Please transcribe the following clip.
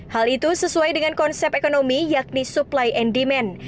hal itu sesuai dengan konsep ekonomi yakni supply and demand